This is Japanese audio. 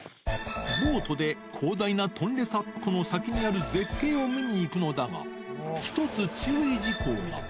ボートで広大なトンレサップ湖の先にある絶景を見に行くのだが、１つ注意事項が。